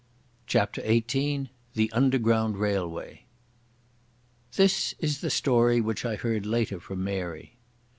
CHAPTER XVIII The Underground Railway This is the story which I heard later from Mary....